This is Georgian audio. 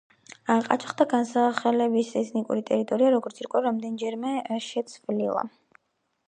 ყარაჩაელთა განსახლების ეთნიკური ტერიტორია, როგორც ირკვევა, რამდენჯერმე შეცვლილა.